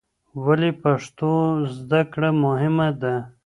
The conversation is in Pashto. ولې پښتو زده کړه مهمه ده؟